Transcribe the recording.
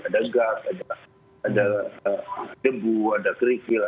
ada gas ada debu ada kerikil